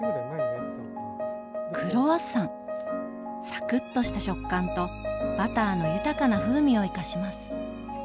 サクッとした食感とバターの豊かな風味を生かします。